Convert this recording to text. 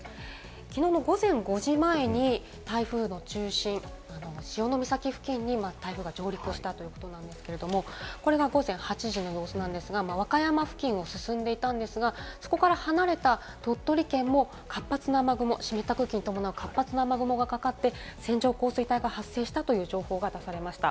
きのうの午前５時前に台風の中心、潮岬付近に台風が上陸したということなんですけれども、これが午前８時の様子なんですが、和歌山付近を進んでいたんですが、そこから離れた、鳥取県も活発な雨雲、湿った空気に伴う雨雲がかかって線状降水帯が発生したという情報が出されました。